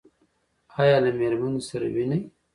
ایا له میرمنې سره وینئ؟